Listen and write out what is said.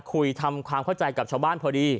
คุยทำความเข้าใจกับชาวบ้านพอดี